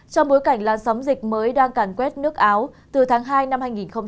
trong bối cảnh làn sóng dịch mới đang càn quét nước áo từ tháng hai năm hai nghìn hai mươi